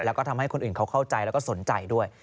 แล้วก็ทำให้คนอื่นเขาเข้าใจแล้วก็สนใจด้วย